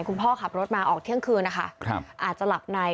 คุณพ่อขับรถมาออกเที่ยงคืนนะคะอาจจะหลับใน